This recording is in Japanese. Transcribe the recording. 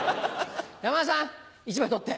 山田さん１枚取って。